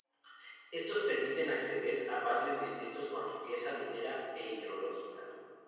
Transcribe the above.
Estos permiten acceder a varios distritos con riqueza minera e hidrológica.